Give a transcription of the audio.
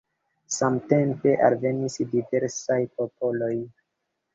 Samtempe alvenis diversaj popoloj.